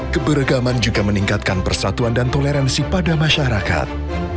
keberagaman juga meningkatkan persatuan dan toleransi pada masyarakat